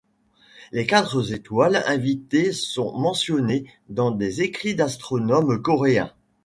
Les quatre étoiles invitées sont mentionnées dans des écrits d'astronomes coréens.